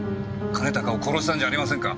兼高を殺したんじゃありませんか！